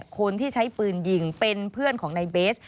คนที่ใช้ปืนยิงเป็นเพื่อนของนายเบส